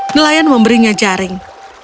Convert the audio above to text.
nelayan memberinya jaring